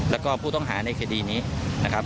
แล้วก็ผู้ต้องหาในคดีนี้นะครับ